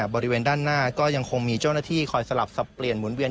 บริเวณด้านหน้าก็ยังคงมีเจ้าหน้าที่คอยสลับสับเปลี่ยนหมุนเวียน